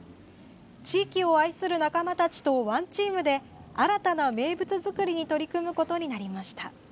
地域を愛する仲間たちとワンチームで新たな名物作りに取り組むことになりました。